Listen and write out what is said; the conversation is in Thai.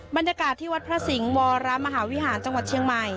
บรรยากาศที่วัดพระสิงห์วรมหาวิหารจังหวัดเชียงใหม่